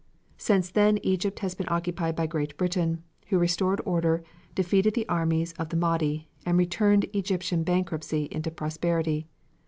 Since then Egypt has been occupied by Great Britain, who restored order, defeated the armies of the Mahdi, and turned Egyptian bankruptcy into prosperity.